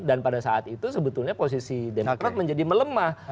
dan pada saat itu sebetulnya posisi demokrat menjadi melemah